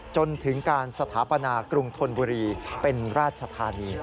จนถึงการสถาปนากรุงธนบุรีเป็นราชธานี